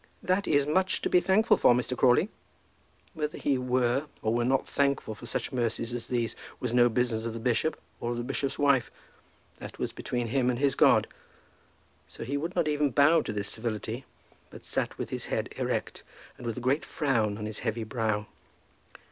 "That is much to be thankful for, Mr. Crawley." Whether he were or were not thankful for such mercies as these was no business of the bishop or of the bishop's wife. That was between him and his God. So he would not even bow to this civility, but sat with his head erect, and with a great frown on his heavy brow.